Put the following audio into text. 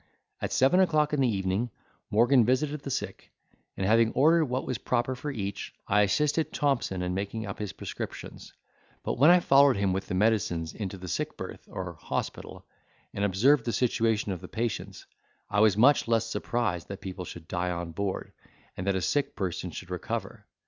At seven o'clock in the evening Morgan visited the sick, and, having ordered what was proper for each, I assisted Thompson in making up his prescriptions: but when I followed him with the medicines into the sick berth, or hospital, and observed the situation of the patients, I was much less surprised that people should die on board, than that a sick person should recover.